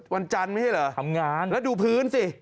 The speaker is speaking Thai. วันจันทร์ไม่ใช่เหรอทำงานแล้วดูพื้นสิ